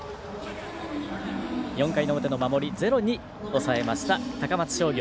４回の表の守り０に抑えました、高松商業。